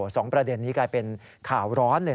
สองประเด็นนี้กลายเป็นข่าวร้อนเลย